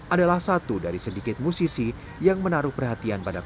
adalah satu dari sedikit musisi yang menaruh perhatian pada pasangan